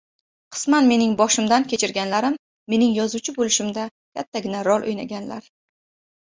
Qisman mening boshimdan kechirganlarim mening yozuvchi bo‘lishimda kattagina rol o‘ynaganlar.